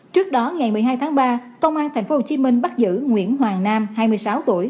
trước đó ngày một mươi hai tháng ba công an thành phố hồ chí minh bắt giữ nguyễn hoàng nam hai mươi sáu tuổi